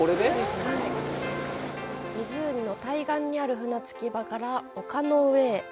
湖の対岸にある船着き場から丘の上へ。